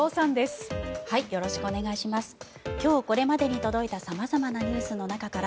今日これまでに届いた様々なニュースの中から